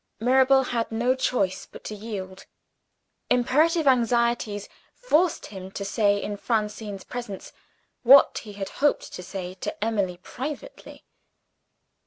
Mirabel had no choice but to yield. Imperative anxieties forced him to say, in Francine's presence, what he had hoped to say to Emily privately.